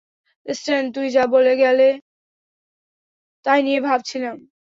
স্ট্যান, তুমি যা বলে গেলে, তাই নিয়ে ভাবছিলাম।